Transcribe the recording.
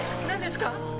何ですか？